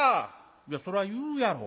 「いやそら言うやろ。